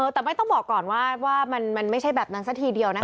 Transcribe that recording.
แต่ไม่ต้องบอกก่อนว่ามันไม่ใช่แบบนั้นซะทีเดียวนะคะ